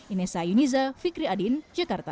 ines ayuniza fikri adin jakarta